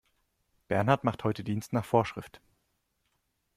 Bernhard macht heute Dienst nach Vorschrift.